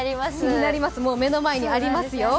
もう目の前にありますよ。